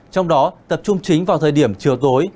trong đó tập trung chính vào thời điểm chiều tối